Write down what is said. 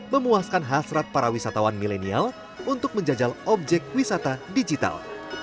memuaskan hasrat para wisatawan milenial untuk menjajal objek wisata digital